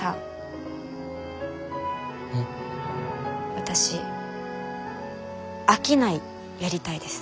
私商いやりたいです。